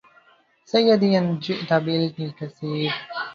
سيدي إن جئته بعلك كثير